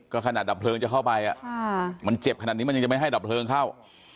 ขนาดดับเพลิงจะเข้าไปมันเจ็บขนาดนี้มันยังจะไม่ให้ดับเพลิงเข้า